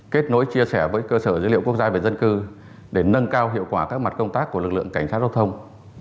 kết nối chia sẻ với cơ sở dữ liệu quốc gia về dân cư để nâng cao hiệu quả các mặt công tác của lực lượng cảnh sát giao thông